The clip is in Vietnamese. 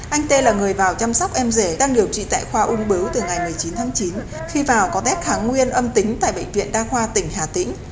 anh tê là người vào chăm sóc em rể đang điều trị tại khoa ung bứu từ ngày một mươi chín tháng chín khi vào có tết kháng nguyên âm tính tại bệnh viện đa khoa tỉnh hà tĩnh